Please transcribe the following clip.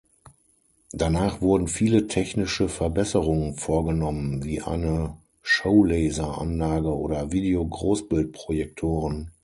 Danach wurden viele technische Verbesserungen vorgenommen, wie eine Showlaser-Anlage oder Video-Großbildprojektoren.